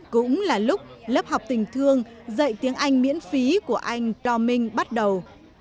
cũng là lúc lớp học tình thương dạy tiếng anh miễn phí của anh do minh bắt đầu